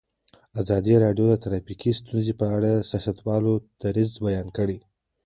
ازادي راډیو د ټرافیکي ستونزې په اړه د سیاستوالو دریځ بیان کړی.